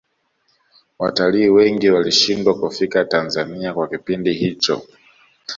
watalii wengi walishindwa kufika tanzania kwa kipindi hicho